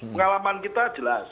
pengalaman kita jelas